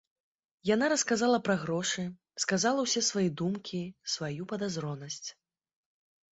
Яна расказала пра грошы, сказала ўсе свае думкі, сваю падазронасць.